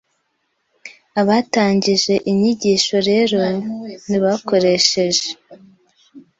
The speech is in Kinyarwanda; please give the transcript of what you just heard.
Abatangije inyigisho rero ntibakoresheje